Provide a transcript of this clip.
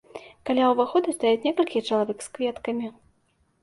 Каля ўваходу стаяць некалькі чалавек з кветкамі.